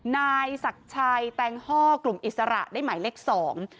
นายศักดิ์ชัยแตงฮ่อกลุ่มอิสระได้หมายเลขสอง